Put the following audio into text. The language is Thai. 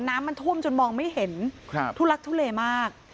น้ำมันท่วมจนมองไม่เห็นทุลักทุเลมาก